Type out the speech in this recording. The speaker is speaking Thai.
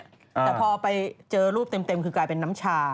แต่พอไปเจอรูปเต็มคือกลายเป็นน้ำชา